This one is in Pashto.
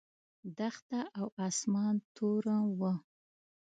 دښته او اسمان توره وه.